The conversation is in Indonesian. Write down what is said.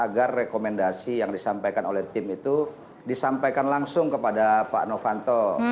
agar rekomendasi yang disampaikan oleh tim itu disampaikan langsung kepada pak novanto